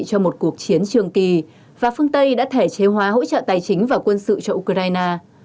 cho một cuộc chiến trường kỳ và phương tây đã thể chế hóa hỗ trợ tài chính và quân sự cho ukraine